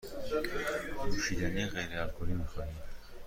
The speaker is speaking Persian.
نوشیدنی غیر الکلی می خواهی؟